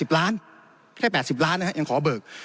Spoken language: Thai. แค่๘๐ล้านนะครับยังขอเบิก